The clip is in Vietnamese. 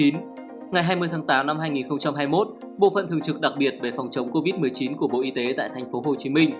ngày hai mươi tháng tám năm hai nghìn hai mươi một bộ phận thường trực đặc biệt về phòng chống covid một mươi chín của bộ y tế tại tp hcm